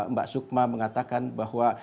mbak sukma mengatakan bahwa